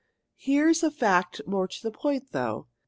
"Here's a fact more to the point, though.